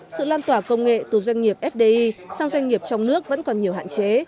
sự lan tỏa công nghệ từ doanh nghiệp fdi sang doanh nghiệp trong nước vẫn còn nhiều hạn chế